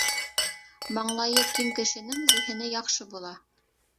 Маңлайы киң кешенең зиһене яҡшы була.